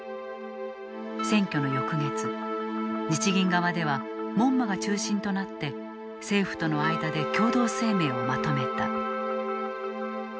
選挙の翌月日銀側では門間が中心となって政府との間で共同声明をまとめた。